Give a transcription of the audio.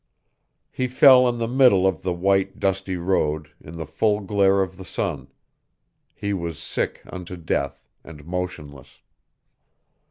He fell in the middle of the white, dusty road, in the full glare of the sun; he was sick unto death, and motionless.